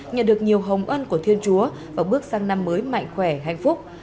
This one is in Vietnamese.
nhận được nhiều hồng ân của thiên chúa và bước sang năm mới mạnh khỏe hạnh phúc